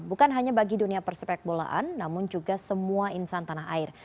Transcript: bukan hanya bagi dunia persepak bolaan namun juga semua insan tanah air